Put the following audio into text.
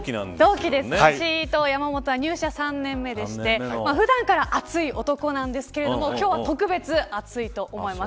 同期ですし山本は入社３年目でして普段から熱い男なんですけど今日は特別、熱いと思います。